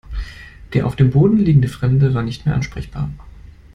Der auf dem Boden liegende Fremde war nicht mehr ansprechbar.